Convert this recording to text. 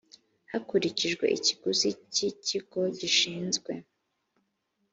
hakurikijwe ikiguzi cy ikigo gishinzwe